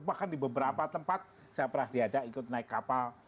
bahkan di beberapa tempat saya pernah diajak ikut naik kapal